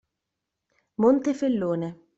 Monte Fellone